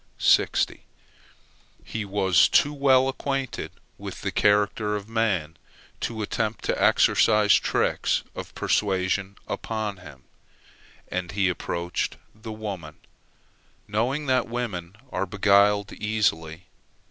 He was too well acquainted with the character of the man to attempt to exercise tricks of persuasion upon him, and he approached the woman, knowing that women are beguiled easily.